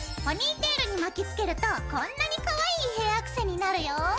ポニーテールに巻きつけるとこんなにかわいいヘアアクセになるよ！